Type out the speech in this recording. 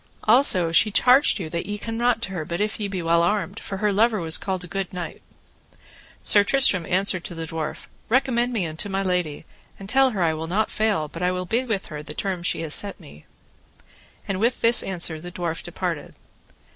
Also she charged you that ye come not to her but if ye be well armed, for her lover was called a good knight. Sir Tristram answered to the dwarf: Recommend me unto my lady, and tell her I will not fail but I will be with her the term that she hath set me. And with this answer the dwarf departed.